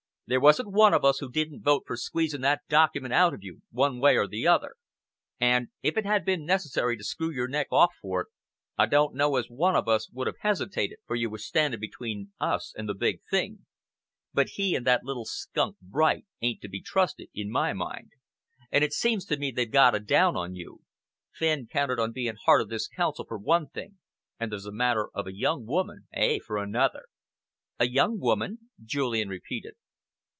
"There wasn't one of us who didn't vote for squeezing that document out of you one way or the other, and if it had been necessary to screw your neck off for it, I don't know as one of us would have hesitated, for you were standing between us and the big thing. But he and that little skunk Bright ain't to be trusted, in my mind, and it seems to me they've got a down on you. Fenn counted on being heart of this Council, for one thing, and there's a matter of a young woman, eh, for another?" "A young woman?" Julian repeated.